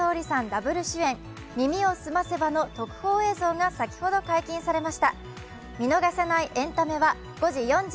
ダブル主演、「耳をすませば」の特報映像が先ほど解禁されました。